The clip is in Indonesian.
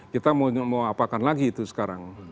kita mau apakan lagi itu sekarang